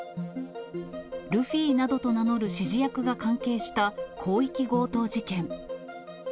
ルフィなどと名乗る指示役が関係した広域強盗事件。